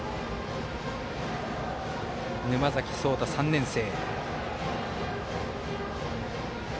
沼崎壮太、３年生。